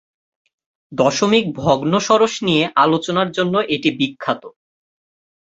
দশমিক ভগ্নম্বরশ নিয়ে আলোচনার জন্য এটি বিখ্যাত।